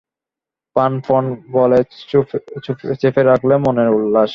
প্রাণপণ বলে চেপে রাখলে মনের উল্লাস।